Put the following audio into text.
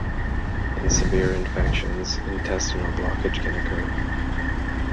In severe infections, intestinal blockage can occur.